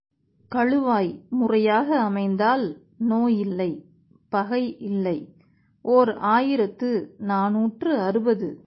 கழுவாய் முறையாக அமைந்தால் நோய் இல்லை பகை இல்லை! ஓர் ஆயிரத்து நாநூற்று அறுபது.